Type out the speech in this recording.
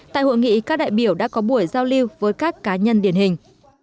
tại hội nghị các đại biểu đã có buổi giao lưu với các cá nhân điển hình